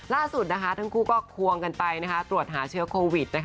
ล่าสุดทั้งคู่ก็ควงกันไปตรวจหาเชื้อโควิด